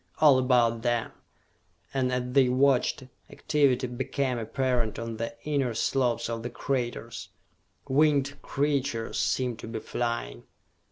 All about them and as they watched, activity became apparent on the inner slopes of the craters winged creatures seemed to be flying.